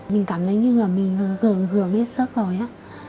mình cảm thấy như là mình hưởng hết sức rồi á